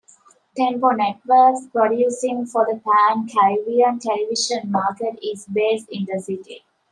Tempo Networks, producing for the pan-Caribbean television market, is based in the city.